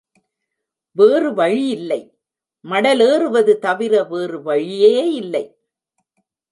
வேறு வழியில்லை மடலேறுவது தவிர வேறு வழியே இல்லை.